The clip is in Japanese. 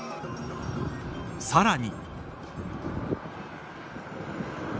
さらに。